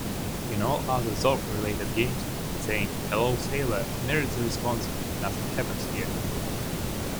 In all other "Zork"-related games, saying "Hello, sailor" merits the response "Nothing happens here".